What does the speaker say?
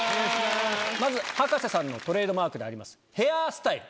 まず葉加瀬さんのトレードマークでありますヘアスタイル！